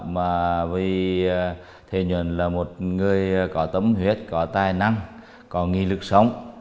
mà vì thầy nguyễn là một người có tấm huyết có tài năng có nghị lực sống